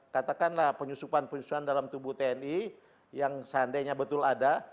katakanlah penyusupan penyusupan dalam tubuh tni yang seandainya betul ada